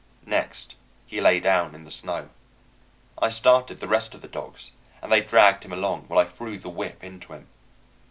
Next he lay down in the snow. I started the rest of the dogs, and they dragged him along, while I threw the whip into him.